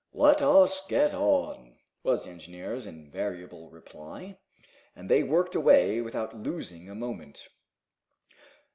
"Let us get on," was the engineer's invariable reply. And they worked away without losing a moment.